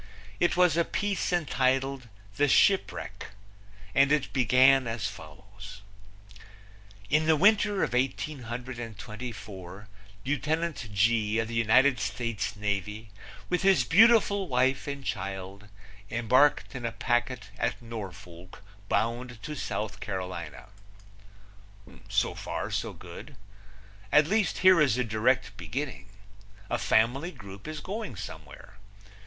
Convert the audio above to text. It was a piece entitled, The Shipwreck, and it began as follows: In the winter of 1824 Lieutenant G , of the United States Navy, with his beautiful wife and child, embarked in a packet at Norfolk bound to South Carolina. So far so good. At least, here is a direct beginning. A family group is going somewhere.